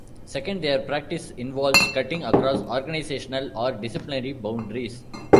Second, their practice involves cutting across organizational or disciplinary boundaries.